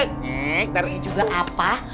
nek ntar ini juga apa